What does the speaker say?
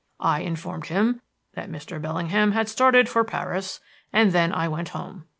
I informed him that Mr. Bellingham had started for Paris and then I went home.